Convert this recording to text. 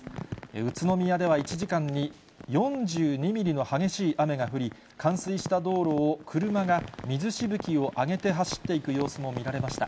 宇都宮では１時間に４２ミリの激しい雨が降り、冠水した道路を車が水しぶきを上げて走っていく様子も見られました。